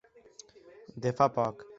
De fa poc.